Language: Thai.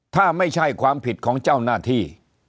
ถ้าไม่ใช่ความผิดของเจ้าหน้าที่